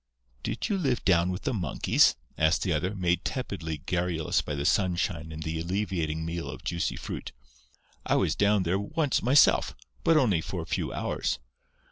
"Did you live down with the monkeys?" asked the other, made tepidly garrulous by the sunshine and the alleviating meal of juicy fruit. "I was down there, once myself. But only for a few hours.